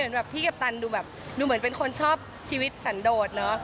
เหมือนแบบพี่กับตันดูเป็นคนชอบชีวิตสั่นโดด